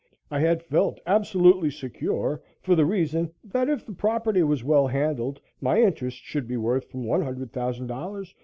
I had felt absolutely secure for the reason that if the property was well handled my interest should be worth from $100,000 to $250,000.